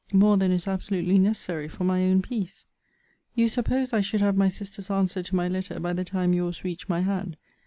More than is absolutely necessary for my own peace? You suppose I should have my sister's answer to my letter by the time your's reached my hand.